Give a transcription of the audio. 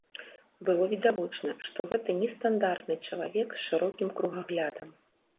Было відавочна, што гэта не стандартны чалавек з шырокім кругаглядам.